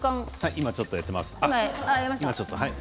今ちょっとやっています。